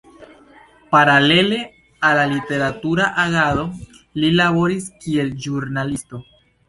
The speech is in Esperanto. Paralele al la literatura agado li laboris kiel ĵurnalisto.